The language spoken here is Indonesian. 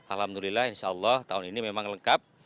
alhamdulillah insyaallah tahun ini memang lengkap